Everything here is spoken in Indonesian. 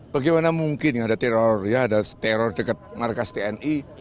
bagaimana mungkin ada teror ya ada teror dekat markas tni